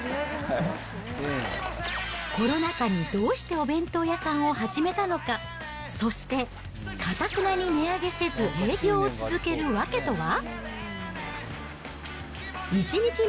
コロナ禍にどうしてお弁当屋さんを始めたのか、そしてかたくなに値上げせず営業を続ける訳とは。